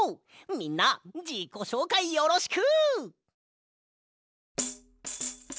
みんなじこしょうかいよろしく！